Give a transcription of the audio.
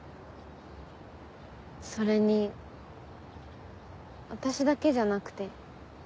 それに私だけじゃなくて。